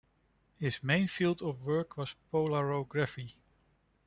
His main field of work was polarography.